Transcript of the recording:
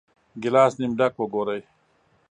ګیلاس نیم ډک وګورئ.